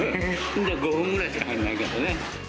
５分ぐらいしか入んないからね。